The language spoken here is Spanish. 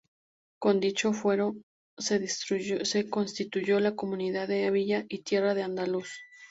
Con dicho Fuero se constituyó la Comunidad de villa y tierra de Andaluz.